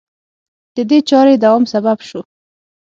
د دې چارې دوام سبب شو